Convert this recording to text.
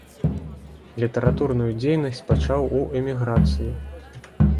Літаратурную дзейнасць пачаў у эміграцыі.